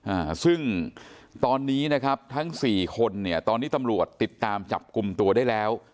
อ่าซึ่งตอนนี้นะครับทั้งสี่คนเนี่ยตอนนี้ตำรวจติดตามจับกลุ่มตัวได้แล้ว